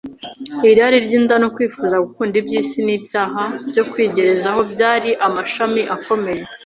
Irari ry’inda no kwifuza, gukunda iby’isi n’ibyaha byo kwigerezaho byari amashami akomeye